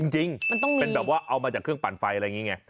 จริงเป็นแบบว่าเอามาจากเครื่องปั่นไฟอะไรอย่างนี้ไง